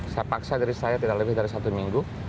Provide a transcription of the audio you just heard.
saya paksa diri saya tidak lebih dari satu minggu